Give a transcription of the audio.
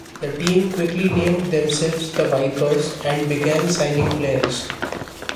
The team quickly named themselves the Vipers, and began signing players.